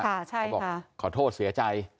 เขาบอกขอโทษเสียใจ